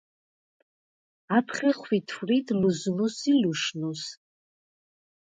ათხე ხვითვრიდ ლჷზნუს ი ლუშნუს.